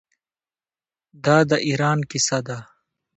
دا د ایران کیسه ده.